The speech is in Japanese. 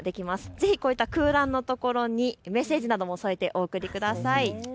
ぜひ、空欄のところにメッセージなども添えて送ってください。